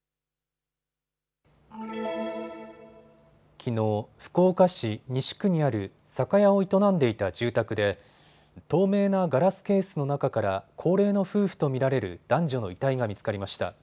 きのう、福岡市西区にある酒屋を営んでいた住宅で透明なガラスケースの中から高齢の夫婦と見られる男女の遺体が見つかりました。